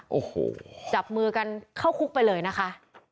โอ้โหจับมือกันเข้าคุกไปเลยนะคะ